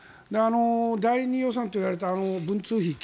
第２予算といわれた旧文通費